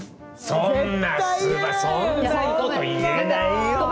そんなそんなこと言えないよ。